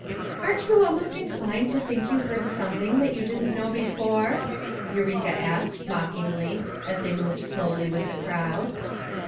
"Aren't you almost inclined to think you heard something that yon didn't know before?" Eureka asked mockingly, as they moved slowly with the crowd.